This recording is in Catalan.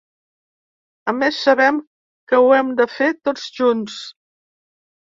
A més, sabem que ho hem de fer tots junts.